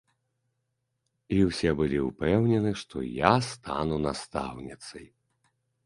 І ўсе былі ўпэўнены, што я стану настаўніцай.